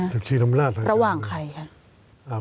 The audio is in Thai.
ระหว่างใครครับ